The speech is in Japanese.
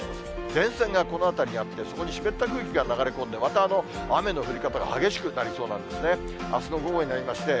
前線がこの辺りにあって、そこに湿った空気が流れ込んで、また雨の降り方が激しくなりそうなんですね。